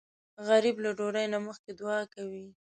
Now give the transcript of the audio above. غریب له ډوډۍ نه مخکې دعا کوي